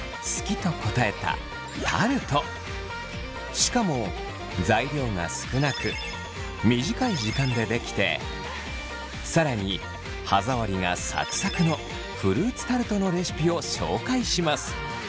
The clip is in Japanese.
しかも材料が少なく短い時間でできて更に歯触りがさくさくのフルーツタルトのレシピを紹介します。